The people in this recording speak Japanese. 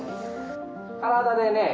体でね